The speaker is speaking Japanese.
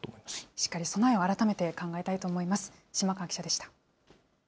しっかり備えを改めて考えたいと思います。